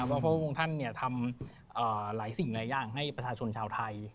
เพราะพระองค์ท่านทำหลายสิ่งหลายอย่างให้ประชาชนชาวไทย